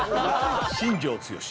新庄剛志。